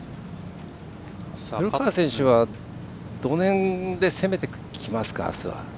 古川選手はどの辺で攻めてきますか、あすは？